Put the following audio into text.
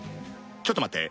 ちょっと待って。